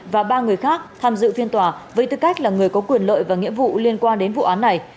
và ba người khác tham dự phiên tòa với tư cách là người có quyền lợi và nghĩa vụ liên quan đến vụ án này